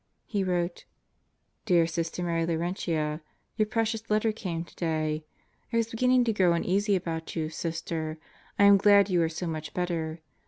He wrote: Dear Sister Mary Laurentia: Your precious letter came today. I was beginning to grow uneasy about you, Sister. I am glad you are so much better.